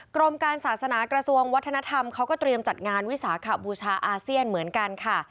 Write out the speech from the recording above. กรมการศาสนากระทรวงวัฒนธรรมเขาก็เตรียมจัดงานวิสาขบูชาอาเซียนเหมือนกันค่ะ